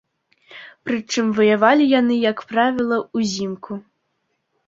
Прычым, ваявалі яны, як правіла, узімку.